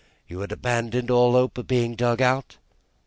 "You had abandoned all hope of being dug out?"